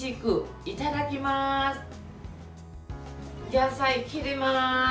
野菜、切ります。